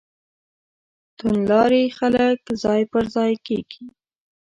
توندلاري خلک ځای پر ځای کېږي.